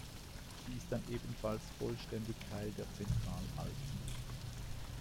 Sie ist dann ebenfalls vollständig Teil der Zentralalpen.